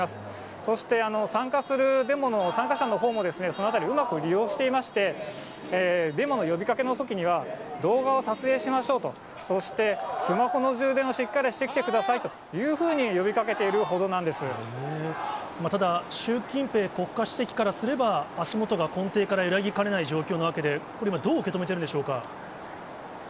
そして、参加する、デモの参加者の方もですね、そのあたり、うまく利用していまして、デモの呼びかけのときには、動画を撮影しましょうと、そして、スマホの充電をしっかりしてきてくださいというふうに呼びかけてただ、習近平国家主席からすれば、足元が根底から揺らぎかねない状況なわけで、これ、今、どう受け止めているんでしょうか？